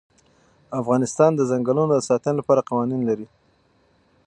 افغانستان د چنګلونه د ساتنې لپاره قوانین لري.